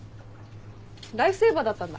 ライフセーバーだったんだ。